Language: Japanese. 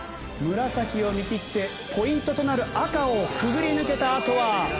紫を見切ってポイントとなる赤をくぐり抜けたあとは。